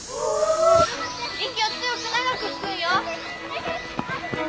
息を強く長く吹くんよ。